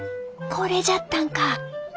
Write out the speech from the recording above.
これじゃったんか！